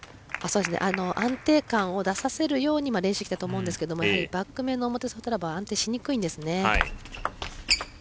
安定感を出させるように練習してきたと思うんですがバック面の表ソフトラバー安定しにくいんですね。